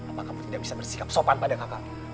apa kamu tidak bisa bersikap sopan pada kakakmu